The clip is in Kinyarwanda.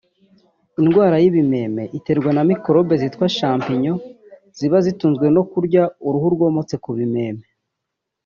Indwara y’ibimeme iterwa na microbe zitwa “champignon” ziba zitunzwe no kurya uruhu rwomotse ku bimeme